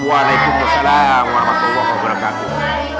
waalaikumsalam warahmatullahi wabarakatuh